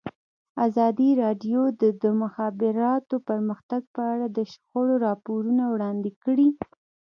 ازادي راډیو د د مخابراتو پرمختګ په اړه د شخړو راپورونه وړاندې کړي.